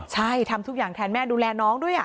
ใช่ทำทุกอย่างแทนแม่ดูแลน้องด้วย